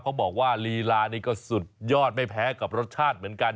เขาบอกว่าลีลานี่ก็สุดยอดไม่แพ้กับรสชาติเหมือนกัน